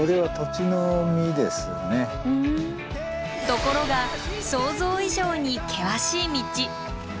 ところが想像以上に険しい道。